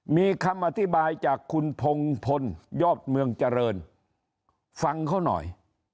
มีคำอธิบายจากคุณพงพลยอดเมืองเจริญฟังเขาหน่อย